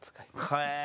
へえ。